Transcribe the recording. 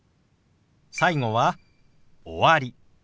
最後は「終わり」。